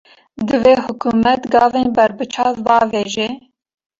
Divê hikûmet, gavên berbiçav bavêje